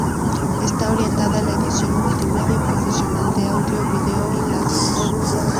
Está orientada a la edición multimedia profesional de audio, video y gráficos.